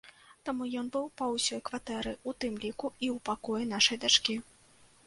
Таму ён быў па ўсёй кватэры, у тым ліку і ў пакоі нашай дачкі.